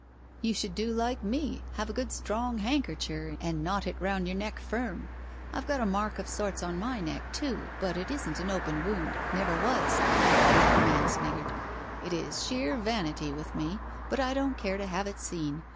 "You should do like me, have a good strong handker cher and knot it round your neck firm. I've got a mark of sorts on my neck too, but it isn't an open wound — never was," the bluff man sniggered. " It is sheer vanity with me, but I don't care to have it seen.